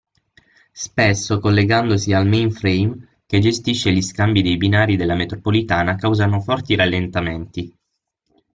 Spesso collegandosi al main-frame che gestisce gli scambi dei binari della metropolitana causano forti rallentamenti.